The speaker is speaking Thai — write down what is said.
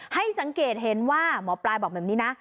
ให้สังเกตเห็นว่าหมอปลายบอกแบบนี้นะ